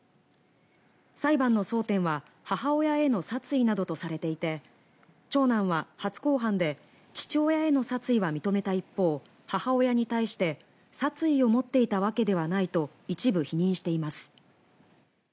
裁判の争点は母親への殺意などとされていて長男は初公判で父親への殺意は認めた一方母親に対して殺意を持っていたわけではないと一部否認しています。